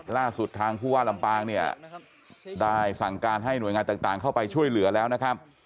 ล่าสุดทางผู้ว่าลำปางเนี่ยได้สั่งการให้หน่วยงานต่างเข้าไปช่วยเหลือแล้วนะครับ